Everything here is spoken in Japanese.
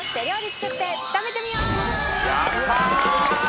やったー！